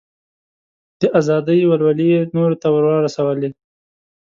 د ازادۍ ولولې یې نورو ته ور ورسولې.